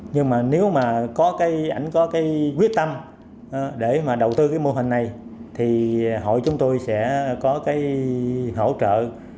nhưng mà nếu mà có cái ảnh có cái quyết tâm để mà đầu tư cái mô hình này thì hội chúng tôi sẽ có cái hỗ trợ